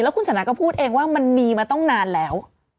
แล้วคุณสันทนาก็พูดเองว่ามันมีมาต้องนานแล้ว